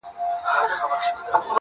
د کور هر غړی مات او بې وسه ښکاري,